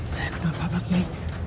saya kenapa pak yai